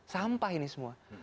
sampah ini semua